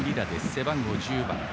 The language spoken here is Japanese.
背番号１０番。